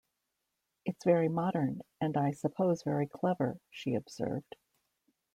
"It's very modern, and I suppose very clever," she observed.